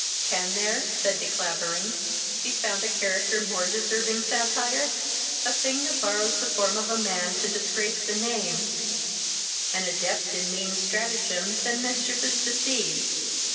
"Can there (said De Clavering) be found a character more deserving satire? a thing that borrows the form of man to disgrace the name, an adept in mean stratagems and mischievous deceives.